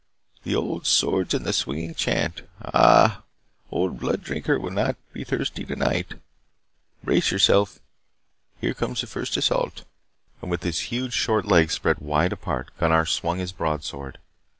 The old swords and the swinging chant. Ah, Old Blood Drinker will not be thirsty tonight. Brace yourself. Here comes the first assault." And with his huge short legs spread wide apart, Gunnar swung his broadsword.